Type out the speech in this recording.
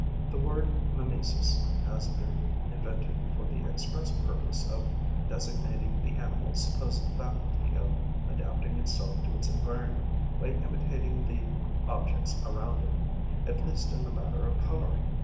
The word 'mimesis' has been invented for the express purpose of designating the animal's supposed faculty of adapting itself to its environment by imitating the objects around it, at least in the matter of colouring.